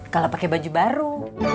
kalau pakai baju baru